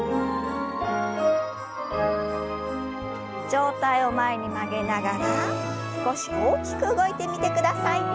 上体を前に曲げながら少し大きく動いてみてください。